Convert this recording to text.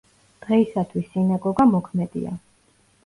დღეისათვის სინაგოგა მოქმედია.